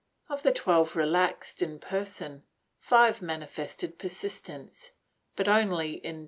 Of the twelve relaxed in person, five manifested persistence, but only in two ' niescas, loc cit.